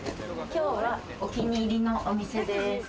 今日はお気に入りのお店です。